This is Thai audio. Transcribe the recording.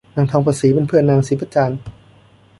นางทองประศรีเป็นเพื่อนนางศรีประจัน